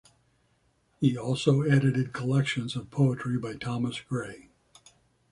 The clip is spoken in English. He also edited collections of poetry by Thomas Gray.